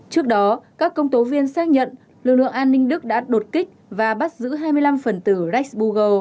trước đó các công tố viên xác nhận lực lượng an ninh đức đã đột kích và bắt giữ hai mươi năm phần tử rex bugo